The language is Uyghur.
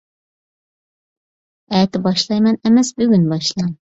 ئەتە باشلايمەن ئەمەس، بۈگۈن باشلاڭ.